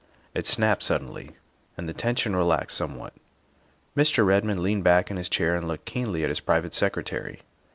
It snapped suddenly, and the tension relaxed some what. Mr. Redmond leaned back in his chair and looked keenly at his private secretary.